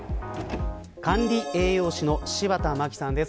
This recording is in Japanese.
管理栄養士の柴田真希さんです。